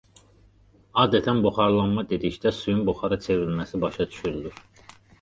Adətən buxarlanma dedikdə suyun buxara çevrilməsi başa düşülür.